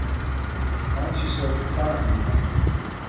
De fakânsje sil fertraging jaan.